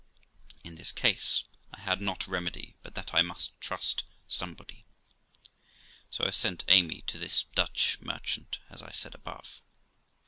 In this case I had not remedy but that I must trust somebody, so I sent Amy to this Dutch merchant, as I said above.